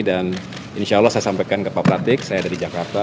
dan insya allah saya sampaikan ke pak pratik saya ada di jakarta